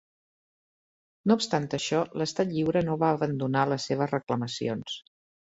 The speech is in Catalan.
No obstant això, l'Estat Lliure no va abandonar les seves reclamacions.